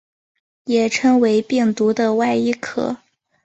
也称为病毒的外衣壳。